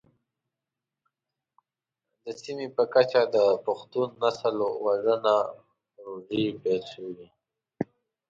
د سیمې په کچه د پښتون نسل وژنه پروژې پيل شوې.